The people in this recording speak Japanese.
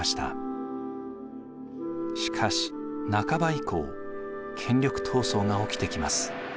しかし半ば以降権力闘争が起きてきます。